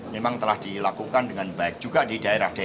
memang telah dilakukan dengan baik juga di daerah daerah